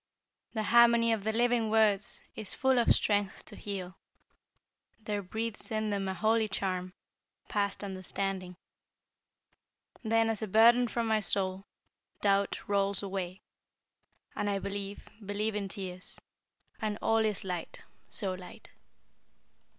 "The harmony of the living words Is full of strength to heal, There breathes in them a holy charm Past understanding. "Then, as a burden from my soul, Doubt rolls away, And I believe believe in tears, And all is light so light!"